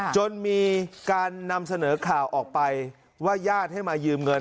จนมีการนำเสนอข่าวออกไปว่าญาติให้มายืมเงิน